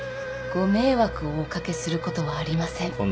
ご迷惑をお掛けすることはありません。